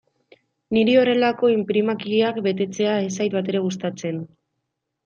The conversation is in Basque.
Niri horrelako inprimakiak betetzea ez zait batere gustatzen.